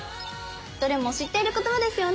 どれも知っている言葉ですよね。